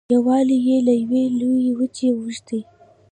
پولې یې له یوې لویې وچې اوښتې.